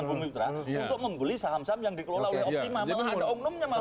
untuk membeli saham saham yang dikelola oleh optimal